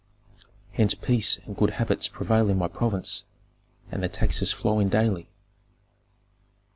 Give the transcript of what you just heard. "Hence peace and good habits prevail in my province, and the taxes flow in daily."